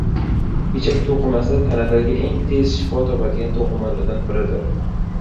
Ichak to‘qimasi tanadagi eng tez shifo topadigan to‘qimalardan biridir